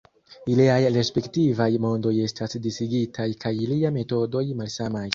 Iliaj respektivaj mondoj estas disigitaj kaj ilia metodoj malsamaj.